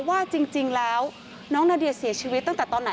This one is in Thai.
ว่าจริงแล้วน้องนาเดียเสียชีวิตตั้งแต่ตอนไหน